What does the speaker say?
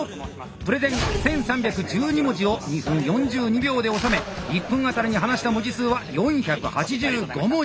プレゼン１３１２文字を２分４２秒で収め１分あたりに話した文字数は４８５文字！